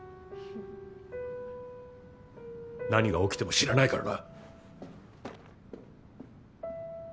何が起きても知らないからな。